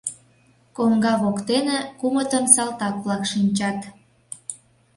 Коҥга воктене кумытын салтак-влак шинчат.